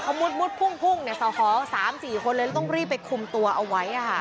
เขามุดพุ่งเนี่ยสาวหอ๓๔คนเลยต้องรีบไปคุมตัวเอาไว้